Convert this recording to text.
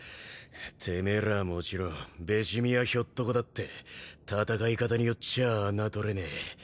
てめえらはもちろんべし見やひょっとこだって戦い方によっちゃあ侮れねえ。